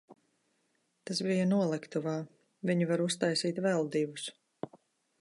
Tas bija noliktavā, viņi var uztaisīt vēl divus.